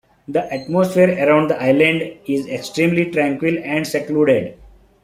The atmosphere around the island is extremely tranquil and secluded.